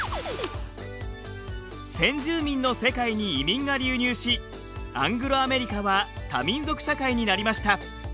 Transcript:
先住民の世界に移民が流入しアングロアメリカは多民族社会になりました。